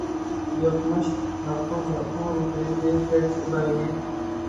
یکمشت لاکھوں لاکھوں روپے کے ٹیکس ادائیگی